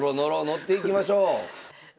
乗っていきましょう。